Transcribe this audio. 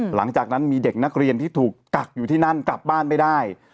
หลังจากนั้นมีเด็กนักเรียนที่ถูกกักอยู่ที่นั่นกลับบ้านไม่ได้